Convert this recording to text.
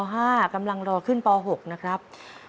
กำลังรอขึ้นป๖นะครับ